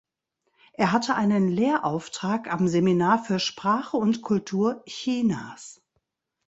Er hatte einen Lehrauftrag am Seminar für Sprache und Kultur Chinas.